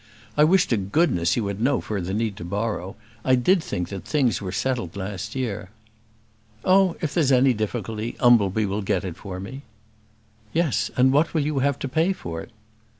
I wish to goodness you had no further need to borrow. I did think that things were settled last year." "Oh if there's any difficulty, Umbleby will get it for me." "Yes; and what will you have to pay for it?"